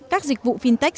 các dịch vụ fintech